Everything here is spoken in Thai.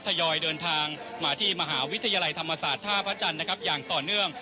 ทยอยเดินทางมาที่มหาวิทยาลัยธรรมศาสตร์ท่าพระจันทร์นะครับอย่างต่อเนื่อง